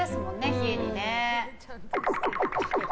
冷えにね。